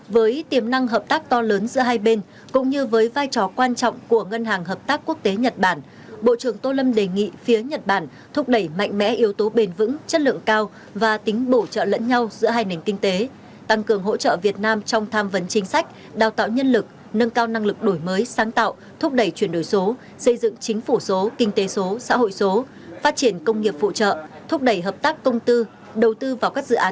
với tiềm năng hợp tác to lớn giữa hai bên cũng như với vai trò quan trọng của ngân hàng hợp tác quốc tế nhật bản bộ trưởng tô lâm đề nghị phía nhật bản thúc đẩy mạnh mẽ yếu tố bền vững chất lượng cao và tính bổ trợ lẫn nhau giữa hai nền kinh tế tăng cường hỗ trợ việt nam trong tham vấn chính sách đào tạo nhân lực nâng cao năng lực đổi mới sáng tạo thúc đẩy chuyển đổi số xây dựng chính phủ số kinh tế số xã hội số phát triển công nghiệp phụ trợ thúc đẩy hợp tác công tư đầu tư vào các dự á